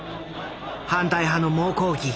反対派の猛抗議。